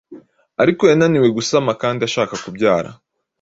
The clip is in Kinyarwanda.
ariko yananiwe gusama kandi ashaka kubyara